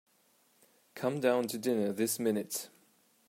Come down to dinner this minute.